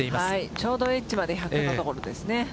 ちょうどエッジまで１００の所です。